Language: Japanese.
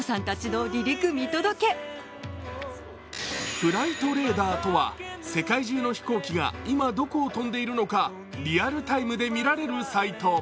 フライトレーダーとは世界中の飛行機が今どこを飛んでいるのかリアルタイムで見られるサイト。